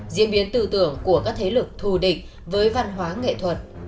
diễn biến tư tưởng của các thế lực thù địch với văn hóa nghệ thuật